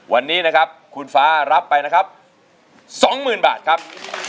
วันนี้นะครับคุณฟ้ารับไปนะครับ๒๐๐๐บาทครับ